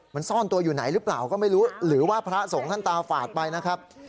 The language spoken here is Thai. มันซ่อนตัวอยู่ไหนหรือเปล่าก็ไม่รู้หรือว่าพระสงฆ์ท่านตาฝาดไปนะครับ